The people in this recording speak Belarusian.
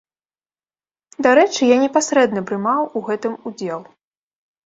Дарэчы, я непасрэдна прымаў у гэтым удзел.